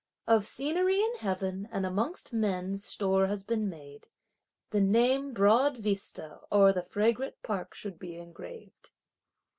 Of scenery in heaven and amongst men store has been made; The name Broad Vista o'er the fragrant park should be engraved.